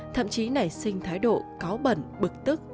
thậm chí nảy sinh thái độ cáo bẩn bực tức